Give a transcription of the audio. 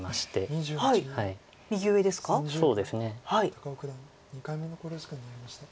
高尾九段２回目の考慮時間に入りました。